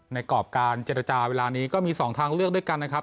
กรอบการเจรจาเวลานี้ก็มี๒ทางเลือกด้วยกันนะครับ